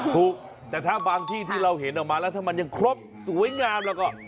ถูกแต่ถ้าบางที่ที่เราเห็นออกมาแล้วถ้ามันยังครบสวยงามแล้วก็